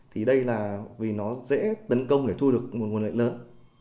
thì đây là vì nó dễ tấn công để thu được một nguồn lợi lớn